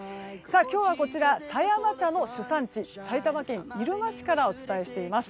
今日はこちら、狭山茶の主産地埼玉県入間市からお伝えしています。